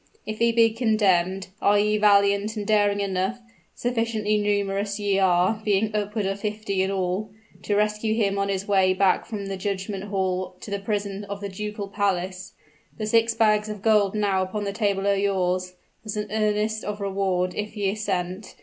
If he be condemned, are ye valiant and daring enough (sufficiently numerous ye are, being upward of fifty in all) to rescue him on his way back from the judgment hall to the prison of the ducal palace? The six bags of gold now upon the table are yours, as an earnest of reward, if ye assent.